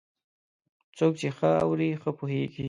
څوک چې ښه اوري، ښه پوهېږي.